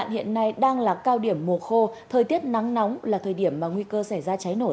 hiện nay đang là cao điểm mùa khô thời tiết nắng nóng là thời điểm mà nguy cơ xảy ra cháy nổ